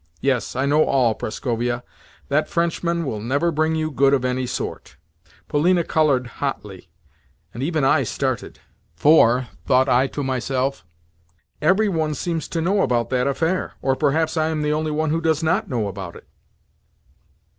Yes, I know all, Prascovia. That Frenchman will never bring you good of any sort." Translated literally—The Great Poulterer. Polina coloured hotly, and even I started. "For," thought I to myself, "every one seems to know about that affair. Or perhaps I am the only one who does not know about it?"